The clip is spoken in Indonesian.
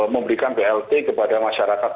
memberikan blt kepada masyarakat